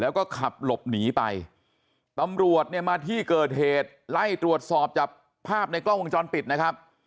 แล้วก็ขับหลบหนีไปตำรวจเนี่ยมาที่เกิดเหตุไล่ตรวจสอบจากภาพในกล้องวงจรปิดนะครับ